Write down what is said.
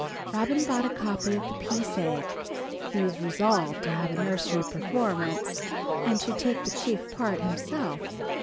Robin bought a copy of "The Peace Egg." He was resolved to have a nursery performance, and to take the chief part himself.